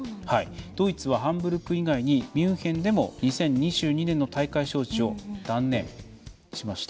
ドイツはハンブルク以外にミュンヘンでも２０２２年の大会招致を断念しました。